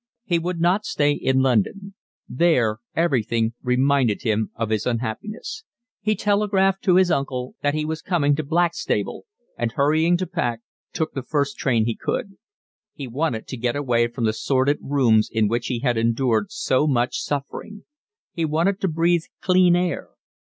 He would not stay in London. There everything reminded him of his unhappiness. He telegraphed to his uncle that he was coming to Blackstable, and, hurrying to pack, took the first train he could. He wanted to get away from the sordid rooms in which he had endured so much suffering. He wanted to breathe clean air.